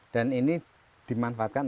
dan ini dimanfaatkan